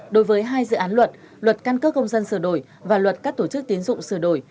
đối với hai dự án luật luật căn cước công dân sửa đổi và luật các tổ chức tiến dụng sửa đổi